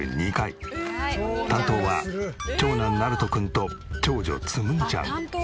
担当は長男なると君と長女つむぎちゃん。